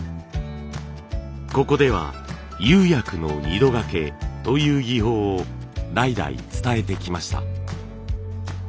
ここでは釉薬の２度がけという技法を代々伝えてきました。